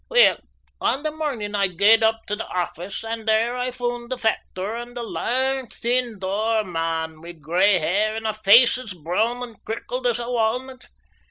Weel, on the morn I gaed up to the office and there I foond the factor and a lang, thin, dour man wi' grey hair and a face as brown and crinkled as a walnut.